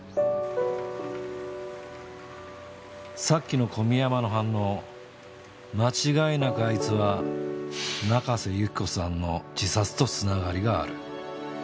さっきの小宮山の反応間違いなくあいつは中瀬由紀子さんの自殺とつながりがある。